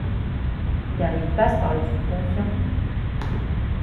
Car il passe par le subconscient.